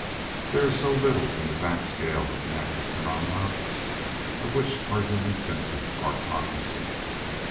There is so little in the vast scale of natural phenomena of which our human senses are cognisant!